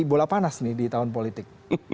bola panas nih di tahun politik